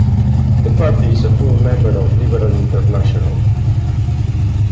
The party is a full member of Liberal International.